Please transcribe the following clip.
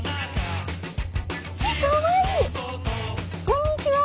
こんにちは。